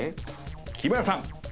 木村さん。